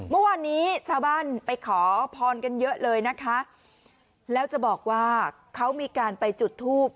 เมื่อวานนี้ชาวบ้านไปขอพรกันเยอะเลยนะคะแล้วจะบอกว่าเขามีการไปจุดทูบ